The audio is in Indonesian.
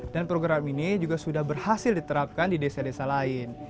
dan program ini juga sudah berhasil diterapkan di desa desa lain